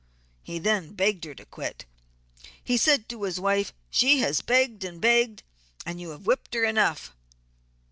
He then begged her to quit. He said to his wife she has begged and begged and you have whipped her enough.